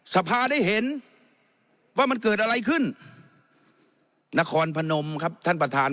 สภาได้เห็นว่ามันเกิดอะไรขึ้นนครพนมครับท่านประธาน